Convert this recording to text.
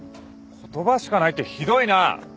「言葉しかない」ってひどいな。